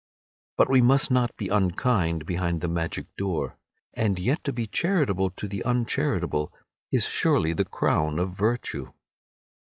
But we must not be unkind behind the magic door—and yet to be charitable to the uncharitable is surely the crown of virtue.